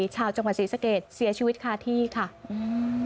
ชาวจังหวัดศรีสะเกดเสียชีวิตคาที่ค่ะอืม